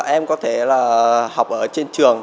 em có thể là học ở trên trường